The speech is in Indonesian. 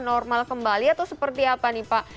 normal kembali atau seperti apa nih pak